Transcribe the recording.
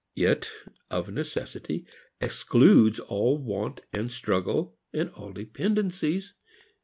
It of necessity excludes all want and struggle and all dependencies.